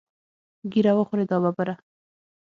ږیره وخورې دا ببره.